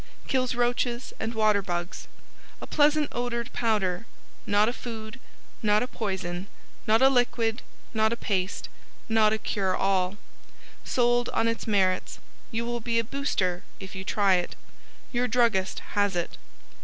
KILLS ROACHES AND WATER BUGS A pleasant odored powder NOT A FOOD NOT A POISON NOT A LIQUID NOT A PASTE NOT A CURE ALL Sold on its merits. You will be a booster if you try it. YOUR Druggist has IT.